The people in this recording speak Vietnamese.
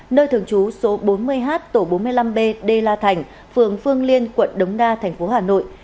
nơi thường trú số bốn mươi h tổ bốn mươi năm b đê la thành phường phương liên quận đống đa thành phố hà nội